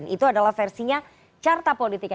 itu adalah versinya carta politika